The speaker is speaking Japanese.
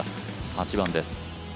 ８番です。